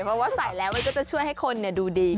เพราะว่าใส่แล้วมันก็จะช่วยให้คนดูดี